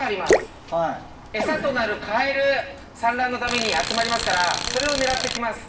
エサとなるカエル産卵のために集まりますからそれを狙って来ます。